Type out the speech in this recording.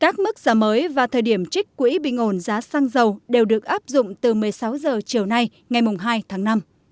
các mức giá mới và thời điểm trích quỹ bình ổn giá xăng dầu đều được áp dụng từ một mươi sáu h chiều nay ngày hai tháng năm